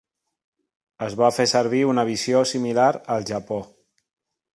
Es va fer servir una visió similar al Japó.